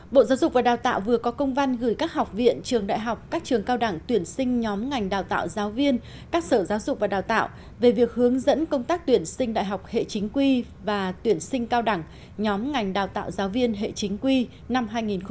bộ giáo dục và đào tạo vừa có công văn gửi các học viện trường đại học các trường cao đẳng tuyển sinh nhóm ngành đào tạo giáo viên các sở giáo dục và đào tạo về việc hướng dẫn công tác tuyển sinh đại học hệ chính quy và tuyển sinh cao đẳng nhóm ngành đào tạo giáo viên hệ chính quy năm hai nghìn hai mươi